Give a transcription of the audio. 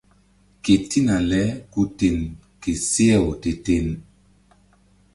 Ketina le ku ten ke seh-aw te-ten.